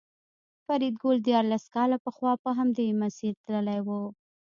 فریدګل دیارلس کاله پخوا په همدې مسیر تللی و